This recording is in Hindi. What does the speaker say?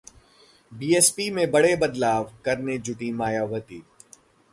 बीएसपी में बड़े बदलाव करने जुटीं मायावती